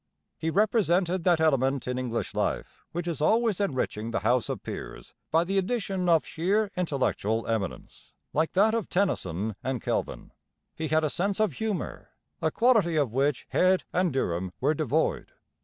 He represented that element in English life which is always enriching the House of Peers by the addition of sheer intellectual eminence, like that of Tennyson and Kelvin. He had a sense of humour, a quality of which Head and Durham were devoid.